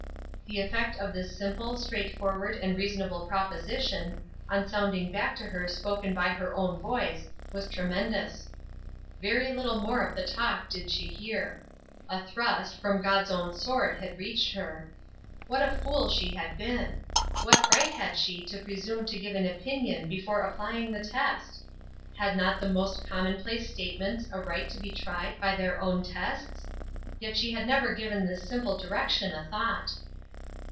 The effect of this simple, straightforward and reasonable proposition, on sounding back to her spoken by her own voice, was tremendous. Very little more of the talk did she hear. A thrust, from God's own sword had reached her. What a fool she had been! What right had she to presume to give an opinion before applying the test? Had not the most common place statements a right to be tried by their own tests? Yet she had never given this simple direction a thought.